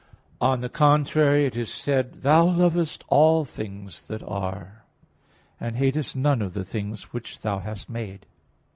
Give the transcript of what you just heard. On the contrary, It is said (Wis. 11:25): "Thou lovest all things that are, and hatest none of the things which Thou hast made."